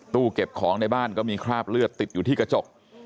เก็บของในบ้านก็มีคราบเลือดติดอยู่ที่กระจก